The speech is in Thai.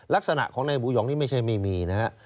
ลักษณะของนายบูหองนี่ไม่ใช่ไม่มีนะฮะ